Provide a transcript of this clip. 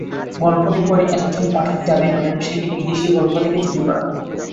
গল্পটি পড়ে একজন পাঠক দাবি করেন সেটি বিদেশি গল্প থেকে চুরি করা।